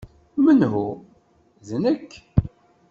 Menhu?" "D nekk.